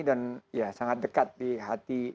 dan ya sangat dekat di hati